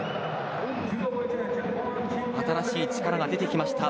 新しい力が出てきました。